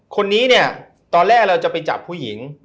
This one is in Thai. คนนี้เนี่ยตอนแรกเราจะไปจับผู้หญิง